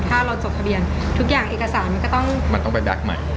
ถ้าเราจดทะเบียนทุกอย่างเอกสารมันก็ต้องมันต้องไปแบ็คใหม่